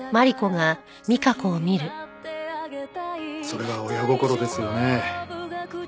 それが親心ですよね。